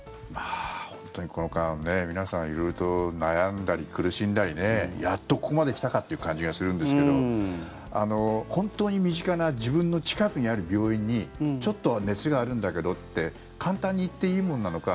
本当にこの間皆さん色々と悩んだり苦しんだりやっとここまで来たかっていう感じがするんですけど本当に身近な自分の近くにある病院にちょっと熱があるんだけどって簡単に行っていいものなのか。